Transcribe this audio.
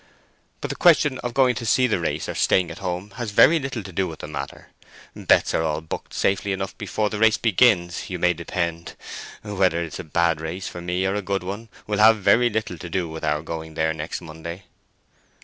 "But the question of going to see the race or staying at home has very little to do with the matter. Bets are all booked safely enough before the race begins, you may depend. Whether it is a bad race for me or a good one, will have very little to do with our going there next Monday."